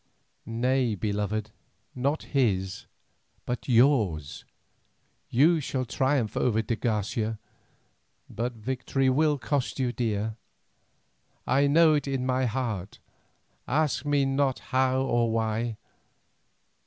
"Nay, beloved, not his but yours. You shall triumph over de Garcia, but victory will cost you dear. I know it in my heart; ask me not how or why.